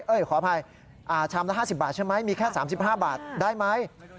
ขออภัยชามละ๕๐บาทใช่ไหมมีแค่๓๕บาทได้ไหม